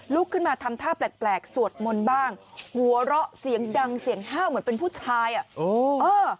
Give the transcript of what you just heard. ขึ้นมาทำท่าแปลกแปลกสวดมนต์บ้างหัวเราะเสียงดังเสียงห้าวเหมือนเป็นผู้ชายอ่ะโอ้เออ